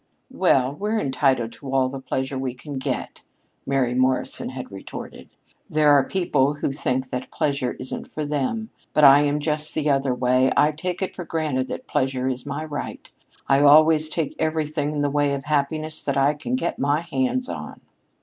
"Well, we're entitled to all the pleasure we can get," Mary Morrison had retorted. "There are people who think that pleasure isn't for them. But I am just the other way I take it for granted that pleasure is my right. I always take everything in the way of happiness that I can get my hands on."